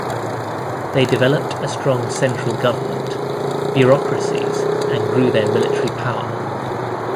They developed a strong central government, bureaucracies, and grew their military power.